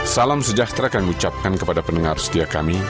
salam sejahtera kami ucapkan kepada pendengar setia kami